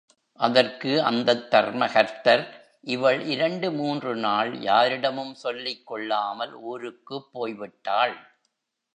அதற்கு அந்தத் தர்மகர்த்தர், இவள் இரண்டு மூன்று நாள் யாரிடமும் சொல்லிக் கொள்ளாமல் ஊருக்குப் போய் விட்டாள்.